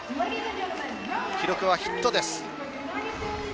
記録はヒットです。